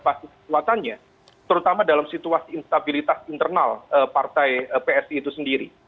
pasti kekuatannya terutama dalam situasi instabilitas internal partai psi itu sendiri